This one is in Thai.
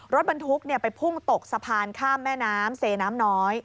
รถบรรทุกไปพุ่งตกสะพานข้ามแม่น้ำเซน้ำน้อย